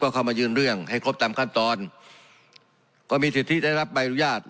เข้ามายืนเรื่องให้ครบตามขั้นตอนก็มีสิทธิได้รับใบอนุญาต